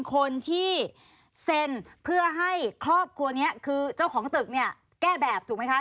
คือเจ้าของตึกเนี่ยแก้แบบถูกไหมคะ